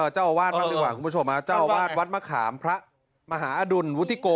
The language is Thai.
เจ้าอาวาสบ้างดีกว่าคุณผู้ชมเจ้าอาวาสวัดมะขามพระมหาอดุลวุฒิโก